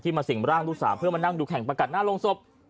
มาสิ่งร่างลูกสาวเพื่อมานั่งดูแข่งประกัดหน้าโรงศพ